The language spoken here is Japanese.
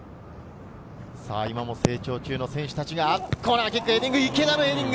今も成長中の選手たちがコーナーキック、ヘディング。